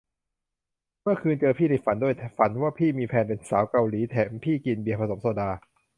เมื่อคืนเจอพี่ในฝันด้วย ฝันว่าพี่มีแฟนเป็นสาวเกาหลี แถมพี่กินเบียร์ผสมโซดา